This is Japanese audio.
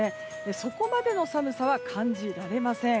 そこまでの寒さは感じられません。